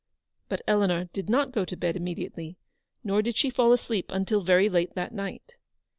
But Eleanor did not go to bed immediately; nor did she fall asleep until very late that night.